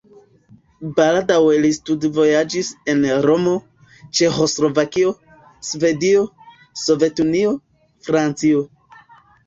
Baldaŭe li studvojaĝis al Romo, Ĉeĥoslovakio, Svedio, Sovetunio, Francio.